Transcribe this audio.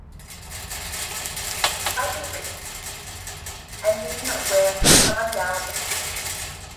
The fight was brief, ending when someone yelled the police were coming.